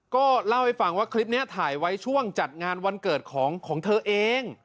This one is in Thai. ก็เล่าให้ฟังว่าคลิปนี้ถ่ายไว้ช่วงจัดงานวันเกิดของเธอเอง